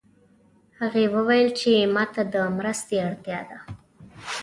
هغې وویل چې ما ته د مرستې اړتیا ده